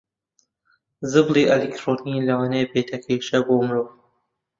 زبڵی ئەلیکترۆنی لەوانەیە ببێتە کێشە بۆ مرۆڤ